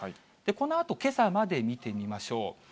このあと、けさまで見てみましょう。